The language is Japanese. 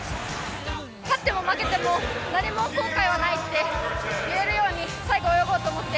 勝っても負けても何も後悔はないって言えるように最後泳ごうと思って。